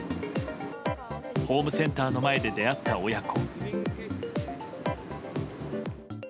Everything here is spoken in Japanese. ホームセンターの前で出会った親子。